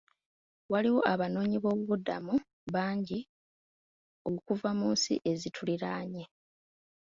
Waliwo Abanoonyiboobubudamu bangi okuva mu nsi ezituliraanye.